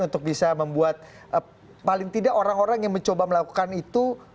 untuk bisa membuat paling tidak orang orang yang mencoba melakukan itu